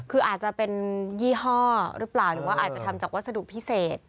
คืออาจจะเป็นยี่ห้อหรือเปล่าหรือว่าอาจจะทำจากวัสดุพิเศษ